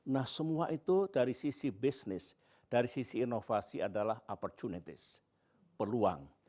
nah semua itu dari sisi bisnis dari sisi inovasi adalah opportunities peluang